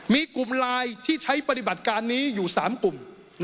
มีกลุ่มไลน์ที่ใช้ปฏิบัติการนี้อยู่๓กลุ่ม